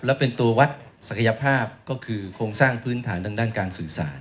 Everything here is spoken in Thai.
แล้วเป็นตัววัดศักยภาพก็คือโครงสร้างพื้นฐานทางด้านการสื่อสาร